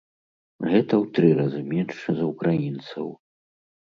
Гэта ў тры разы менш за ўкраінцаў.